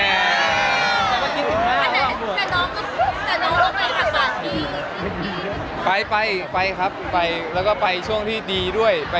เต็มเหมาะลงหรือยังงี้ดีครับ